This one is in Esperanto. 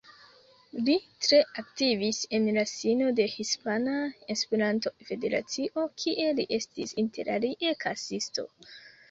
Li tre aktivis en la sino de Hispana Esperanto-Federacio, kie li estis interalie kasisto.